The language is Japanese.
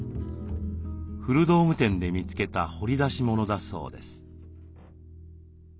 古道具店で見つけた掘り出し物だそうです。